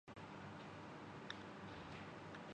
آج یہ عمران خان اور زرداری صاحب کے ہاتھ میں ہے۔